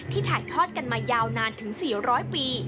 ถ่ายทอดกันมายาวนานถึง๔๐๐ปี